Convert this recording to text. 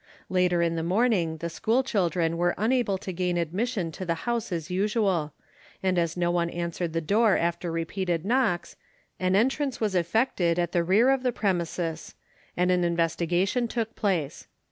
Later in the morning the school children were unable to gain admission to the house as usual, and, as no one answered the door after repeated knocks, an entrance was effected at the rear of the premises, and an investigation took place.